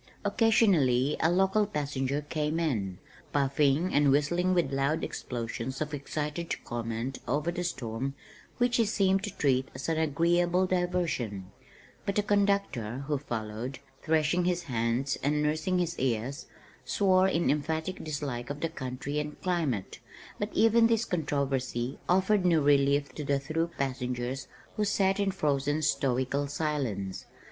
Occasionally a local passenger came in, puffing and whistling with loud explosions of excited comment over the storm which he seemed to treat as an agreeable diversion, but the conductor, who followed, threshing his hands and nursing his ears, swore in emphatic dislike of the country and climate, but even this controversy offered no relief to the through passengers who sat in frozen stoical silence.